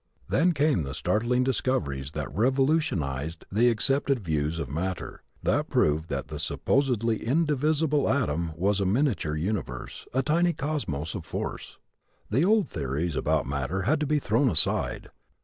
Then came the startling discoveries that revolutionized the accepted views of matter, that proved that the supposedly indivisible atom was a miniature universe, a tiny cosmos of force. The old theories about matter had to be thrown aside.